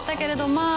まあ